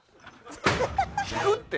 引くって！